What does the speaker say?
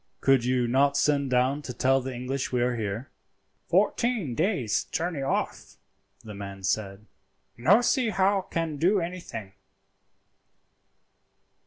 "Could you not send down to tell the English we are here?" "Fourteen days' journey off," the man said; "no see how can do anything."